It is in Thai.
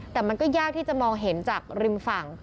แต่มันก็ยากที่จะมองเห็นจากริมฝั่ง